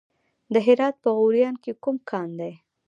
د هرات په غوریان کې کوم کان دی؟